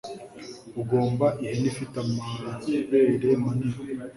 Ugomba ihene ifite amabere manini